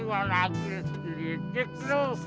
tua lagi lidik lu